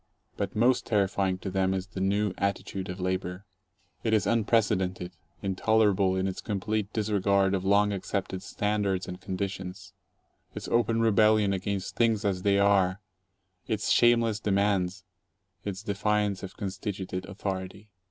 But most terrifying to them is the new attitude of labor. It is unprecedented, intolerable in its complete disregard of long accepted standards and conditions, its open rebellion against Things as They Are, its "shameless demands," its defiance of constituted authority.